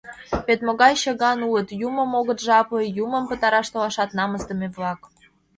— Вет могай чыган улыт: юмым огыт жапле, юмым пытараш толашат, намысдыме-влак!